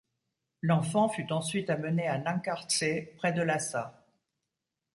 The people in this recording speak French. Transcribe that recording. L'enfant fut ensuite amené à Nankartsé, près de Lhassa.